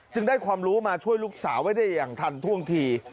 ได้ความรู้มาช่วยลูกสาวไว้ได้อย่างทันท่วงที